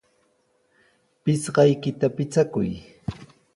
Pisqaykita pichakuy.